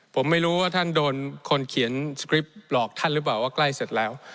ผมไม่รู้ว่าท่านโดนคนเขียนสคริปหลอกท่านหรือเปล่าว่าใกล้เสร็จแล้ว